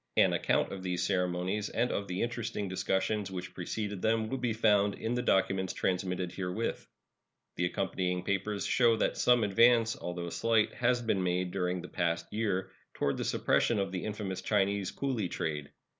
An account of these ceremonies and of the interesting discussions which preceded them will be found in the documents transmitted herewith. The accompanying papers show that some advance, although slight, has been made during the past year toward the suppression of the infamous Chinese cooly trade.